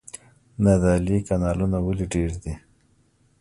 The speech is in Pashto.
نادعلي کانالونه ولې ډیر دي؟